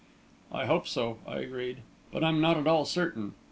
"I hope so," I agreed, "but I'm not at all certain.